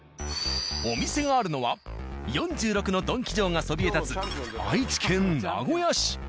お店があるのは４６のドンキ城がそびえ立つ愛知県名古屋市。